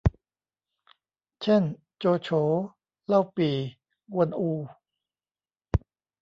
เช่น โจโฉ เล่าปี่ กวนอู